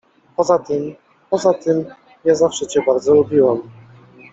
Poza tym… poza tym… ja zawsze cię bardzo lubiłam.